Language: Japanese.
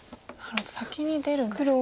先に出るんですね。